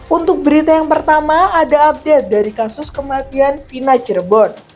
untuk berita yang pertama ada update dari kasus kematian sina cirebon